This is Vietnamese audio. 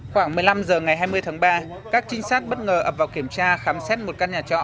khoảng một mươi năm h ngày hai mươi tháng ba các trinh sát bất ngờ ập vào kiểm tra khám xét một căn nhà trọ